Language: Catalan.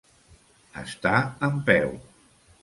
Estar en peu.